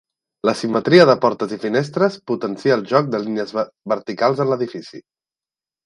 La simetria de portes i finestres potencia el joc de línies verticals en l'edifici.